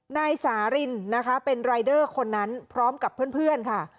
นายสารินนะคะเป็นรายเดอร์คนนั้นพร้อมกับเพื่อนค่ะ